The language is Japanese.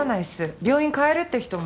病院変えるって人も。